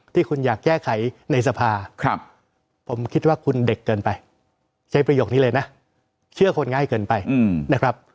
ที่คุณอยากแก้ไขในสภาผมคิดว่าคุณเด็กเกินไปใช้ประโยคนี้เลยนะเชื่อคนง่ายเกินไปนะครับ